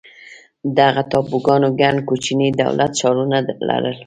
دغه ټاپوګانو ګڼ کوچني دولت ښارونه لرل.